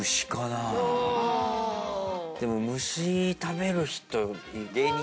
でも虫食べる人。